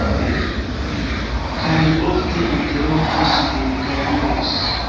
Kaj li ofte interrompus min, kaj dirus: